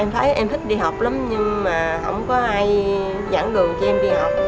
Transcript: em thấy em thích đi học lắm nhưng mà không có ai giảng đường cho em đi học